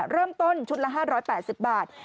เริ่มต้นชุดละ๕๘๐บาท